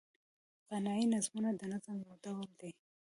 غنايي نظمونه د نظم یو ډول دﺉ.